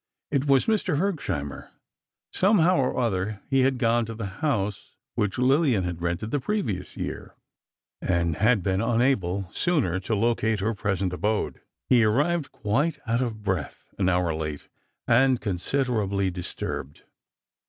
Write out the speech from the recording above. It was Mr. Hergesheimer: somehow or other he had gone to the house which Lillian had rented the previous year, and had been unable sooner to locate her present abode. He arrived quite out of breath, an hour late, and considerably disturbed.